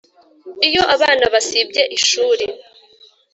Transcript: Iyo abana basibye ishuri